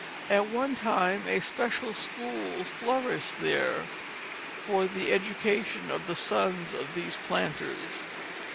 At one time a special school flourished there for the education of the sons of these planters.